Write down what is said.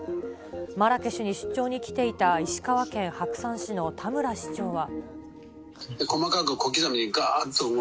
マラケシュに出張に来ていた石川県白山市の田村市長は。